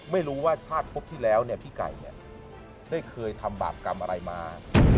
ไม่รู้ว่าชาติพบที่แล้วเนี่ยพี่ไก่ได้เคยทำบาปกรรมอะไรมา